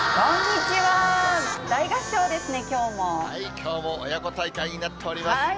きょうも親子大会になっております。